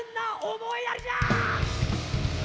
思いやりじゃ！